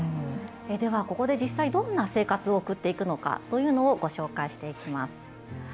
ではここで実際どんな生活を送っていくのかをご紹介していきます。